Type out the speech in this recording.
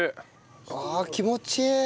ああ気持ちいい！